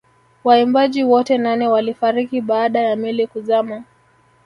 Waimbaji wote nane walifariki baada ya meli kuzama